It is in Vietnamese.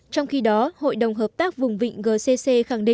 trong khi đó hội đồng hợp tác vùng vịnh gcc khẳng định chính quyền của tổng thống hadi